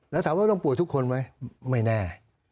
แล้วถามว่าต้องป่วยทุกคนไหมไม่แน่